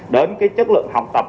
đến chất lượng học tập